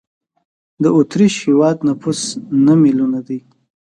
د اوترېش هېواد نفوس نه میلیونه دی.